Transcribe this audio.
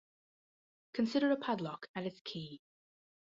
Consider a padlock and its key.